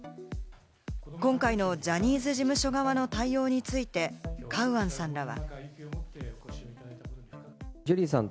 今回のジャニーズ事務所側の対応について、カウアンさんらは。